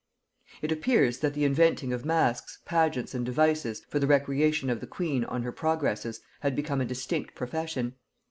It appears that the inventing of masks, pageants and devices for the recreation of the queen on her progresses had become a distinct profession.